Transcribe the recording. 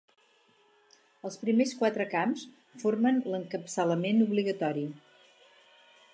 Els primers quatre camps formen l'encapçalament obligatori.